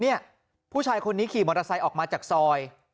ผู้ชายคนนี้ขี่มอเตอร์ไซค์ออกมาจากซอย